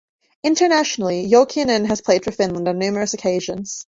Internationally, Jokinen has played for Finland on numerous occasions.